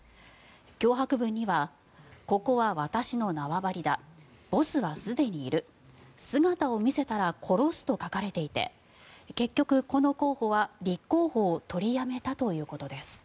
脅迫文にはここは私の縄張りだボスはすでにいる姿を見せたら殺すと書かれていて結局、この候補は立候補を取りやめたということです。